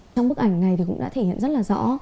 trong bức ảnh này thì cũng đã thể hiện rất là rõ